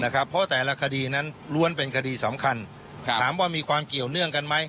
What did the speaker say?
เพราะแต่ละคดีนั้นล้วนเป็นคดีสำคัญถามว่ามีความเกี่ยวเนื่องกันไหม